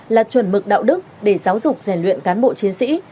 là chuẩn mực đạo đức để giáo dục rèn luyện cán bộ chiến sĩ